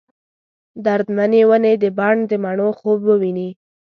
درد منې ونې د بڼ ، دمڼو خوب وویني